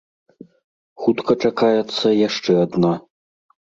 Хутка чакаецца яшчэ адна.